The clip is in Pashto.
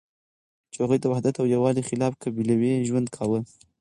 چی هغوی د وحدت او یوالی خلاف قبیلوی ژوند کاوه